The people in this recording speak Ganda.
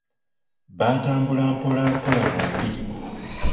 Baatambula mpola mpola bombi.